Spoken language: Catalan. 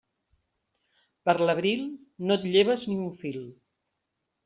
Per l'abril, no et lleves ni un fil.